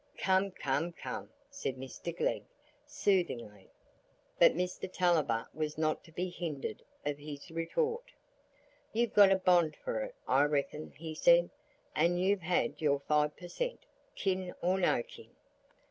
"Come, come, come," said Mr Glegg, soothingly. But Mr Tulliver was not to be hindered of his retort. "You've got a bond for it, I reckon," he said; "and you've had your five per cent, kin or no kin."